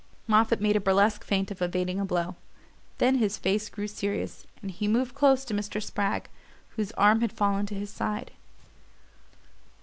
Moffatt made a burlesque feint of evading a blow; then his face grew serious, and he moved close to Mr. Spragg, whose arm had fallen to his side.